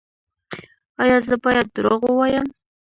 ایا زه باید دروغ ووایم؟